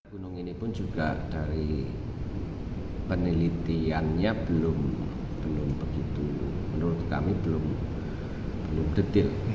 gunung ini pun juga dari penelitiannya belum begitu menurut kami belum detail